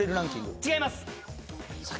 違います。